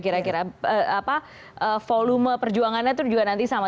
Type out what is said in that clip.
kira kira volume perjuangannya itu juga nanti sama